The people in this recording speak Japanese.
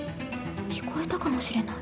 聞こえたかもしれない。